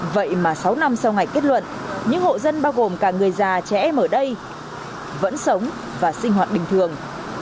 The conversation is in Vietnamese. vậy mà sáu năm sau ngày kết luận những hộ dân bao gồm cả người già trẻ em ở đây vẫn sống và sinh hoạt bình thường